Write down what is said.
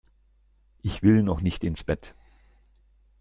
Ich will noch nicht ins Bett!